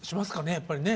やっぱりね。